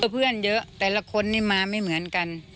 เพื่อนเยอะแต่ละคนนี่มาไม่เหมือนกัน